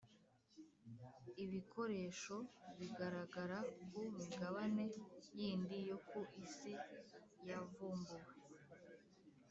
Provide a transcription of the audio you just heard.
Ibikoresho bigaragara ku migabane yindi yo ku isi yavumbuwe